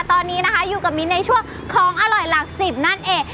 ตอนนี้นะคะอยู่กับมิ้นในช่วงของอร่อยหลักสิบนั่นเอง